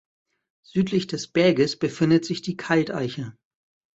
Südlich des Berges befindet sich die Kalteiche.